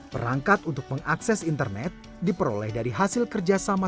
perangkat untuk mengakses internet diperoleh dari hasil kerjasama